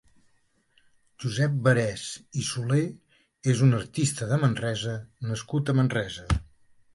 Josep Barés i Soler és un artista de Manresa nascut a Manresa.